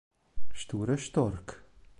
Sture Stork